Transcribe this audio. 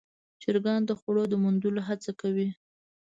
چرګان د خوړو د موندلو هڅه کوي.